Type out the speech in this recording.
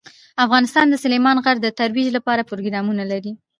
افغانستان د سلیمان غر د ترویج لپاره پروګرامونه لري.